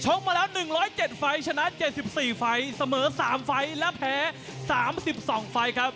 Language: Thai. มาแล้ว๑๐๗ไฟล์ชนะ๗๔ไฟล์เสมอ๓ไฟล์และแพ้๓๒ไฟล์ครับ